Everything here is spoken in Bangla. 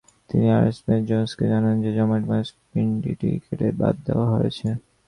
তিনি আরনেস্ট জোনসকে জানান যে, জমাট মাংসপিন্ডটি কেটে বাদ দেওয়া হয়েছে।